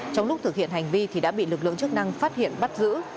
trong lúc thực hiện hành vi thì đã bị lực lượng chức năng phát hiện bắt giữ